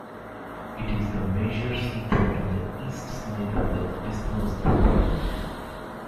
It is the major seaport on the east side of the Isthmus of Kra.